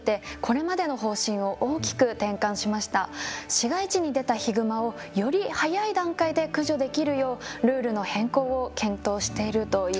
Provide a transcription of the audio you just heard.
市街地に出たヒグマをより早い段階で駆除できるようルールの変更を検討しているということなんです。